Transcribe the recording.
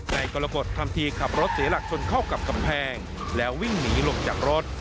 กรกฎทำทีขับรถเสียหลักชนเข้ากับกำแพงแล้ววิ่งหนีลงจากรถ